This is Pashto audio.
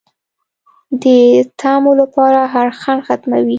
د طمعو لپاره هر خنډ ختموي